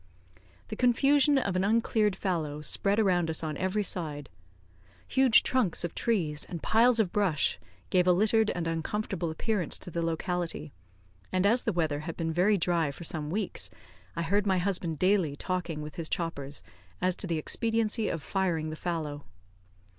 The confusion of an uncleared fallow spread around us on every side. Huge trunks of trees and piles of brush gave a littered and uncomfortable appearance to the locality, and as the weather had been very dry for some weeks, I heard my husband daily talking with his choppers as to the expediency of firing the fallow.